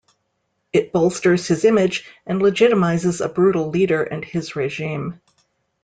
It bolsters his image and legitimizes a brutal leader and his regime.